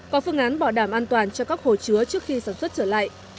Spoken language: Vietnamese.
và phương án bỏ đảm an toàn cho các hồ chứa trước khi sản xuất trở lại